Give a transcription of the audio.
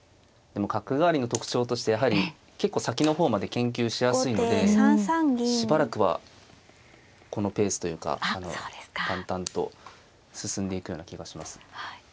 でも角換わりの特徴としてやはり結構先の方まで研究しやすいのでしばらくはこのペースというか淡々と進んでいくような気がします。